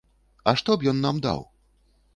А што б ён нам даў?